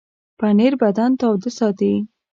پنېر بدن تاوده ساتي.